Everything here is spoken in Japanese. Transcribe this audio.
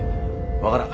分からん。